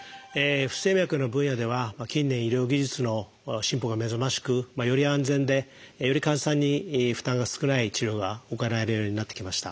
不整脈の分野では近年医療技術の進歩が目覚ましくより安全でより患者さんに負担が少ない治療が行われるようになってきました。